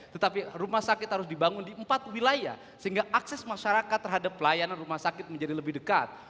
tetapi rumah sakit harus dibangun di empat wilayah sehingga akses masyarakat terhadap pelayanan rumah sakit menjadi lebih dekat